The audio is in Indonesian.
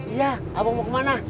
iya abang mau kemana